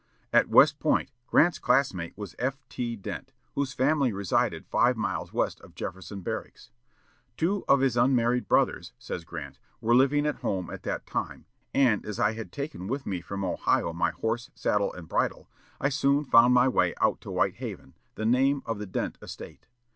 At West Point, Grant's class mate was F. T. Dent, whose family resided five miles west of Jefferson Barracks. "Two of his unmarried brothers," says Grant, "were living at home at that time, and, as I had taken with me from Ohio my horse, saddle, and bridle, I soon found my way out to White Haven, the name of the Dent estate.